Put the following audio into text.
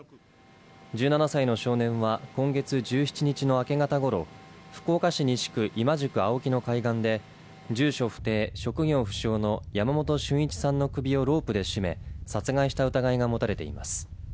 １７歳の少年は今月１７日の明け方ごろ福岡市西区今宿青木の海岸で住所不定・職業不詳の山本駿一さんの首をロープで絞め殺害した疑いが持たれています。